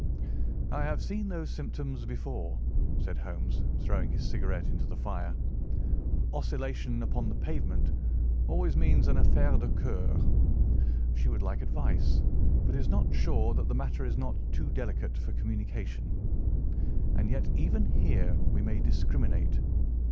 "I have seen those symptoms before," said Holmes, throwing his cigarette into the fire. "Oscillation upon the pavement always means an affaire de cœur. She would like advice, but is not sure that the matter is not too delicate for communication. And yet even here we may discriminate.